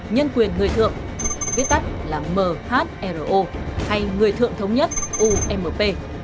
nhân quyền người thượng viết tắt là mhro hay người thượng thống nhất ump